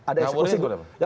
ngawur itu apa